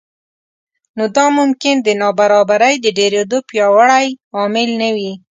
نو دا ممکن د نابرابرۍ د ډېرېدو پیاوړی عامل نه وي